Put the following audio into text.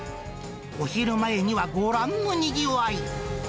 お昼前には、ご覧のにぎわい。